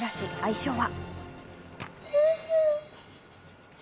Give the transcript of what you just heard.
相性は。